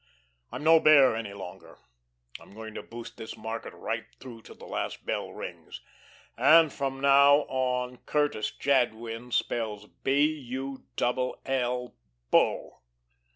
I'm no Bear any longer. I'm going to boost this market right through till the last bell rings; and from now on Curtis Jadwin spells B u double l Bull."